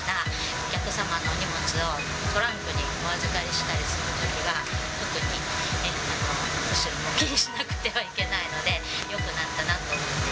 お客様の荷物をトランクにお預かりしたりするときは、特に後ろも気にしなくてはいけないので、よくなったなと思ってい